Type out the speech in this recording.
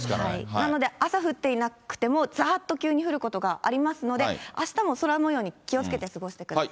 なので、朝降っていなくても、ざーっと急に降ることがありますので、あしたも空もように気をつけて過ごしてください。